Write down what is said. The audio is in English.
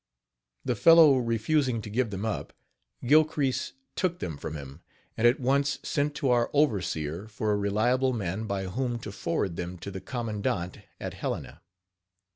The fellow refusing to give them up, Gilcrease took them from him, and at once sent to our overseer for a reliable man by whom to forward them to the commandant at Helena.